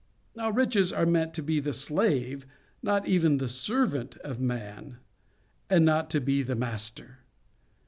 Now, riches are meant to be the slave—not even the servant of man, and not to be the master.